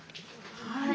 はい。